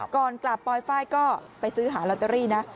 ก่อนกลับปลอยไฟล์ก็ไปซื้อหาลอตเตอรี่นะ